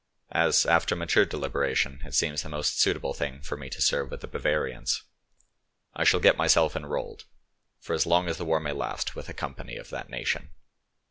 As, after mature deliberation, it seems the most suitable thing for me to serve with the Bavarians. I shall get myself enrolled, for as long as the war may last, with a company of that nation.